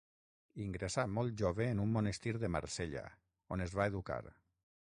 Ingressà molt jove en un monestir de Marsella, on es va educar.